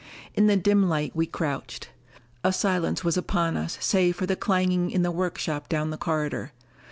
In the dim light we crouched. A silence was upon us save for the clanging in the workshop down the corridor.